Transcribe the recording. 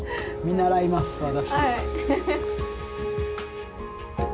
見習います私。